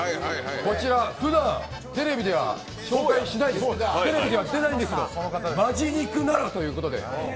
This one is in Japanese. こちら、ふだん、テレビでは紹介しないですが「本気肉」ならということで。